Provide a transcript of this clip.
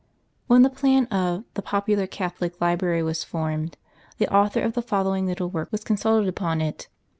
^HEN tlie plan of the Popular CatTioUc Library was formed, the author of the following little work was consulted upon it.